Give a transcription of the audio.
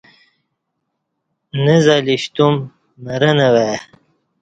نہ زلی شتوم مرں نہ وای